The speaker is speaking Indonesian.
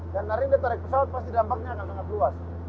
dan hari ini dia tarik pesawat pasti dampaknya akan sangat luas